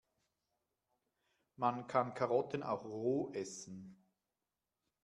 Man kann Karotten auch roh essen.